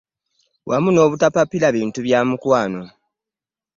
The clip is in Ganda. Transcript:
Wamu n'obutapapira bintu bya mukwano.